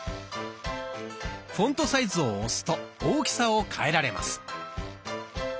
「フォントサイズ」を押すと大きさを変えられます。